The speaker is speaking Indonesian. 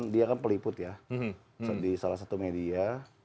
dia kan peliput ya di salah satu media